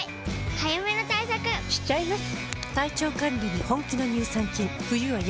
早めの対策しちゃいます。